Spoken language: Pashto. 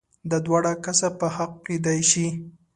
دا دواړه کسه په حقه کېدای شي؟